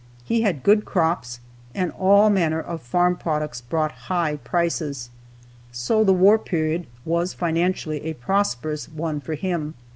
He had good crops, and all manner of farm products brought high prices, so the war period was financially a prosperous one for him.